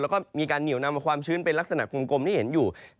แล้วก็มีการเหนียวนำเอาความชื้นเป็นลักษณะกลมที่เห็นอยู่